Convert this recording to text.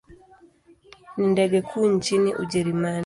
Ni ndege kuu nchini Ujerumani.